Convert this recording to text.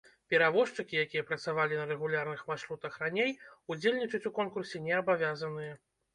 Перавозчыкі, якія працавалі на рэгулярных маршрутах раней, удзельнічаць у конкурсе не абавязаныя.